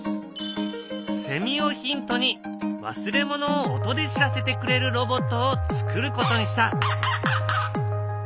セミをヒントに忘れ物を音で知らせてくれるロボットをつくることにした。